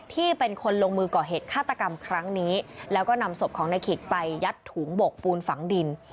ที่เป็นคนลงมือก่อเหตุฆาตกรรมครั้งนี้แล้วก็นำศพของนายขิกไปยัดถุงบกปูนฝังดิน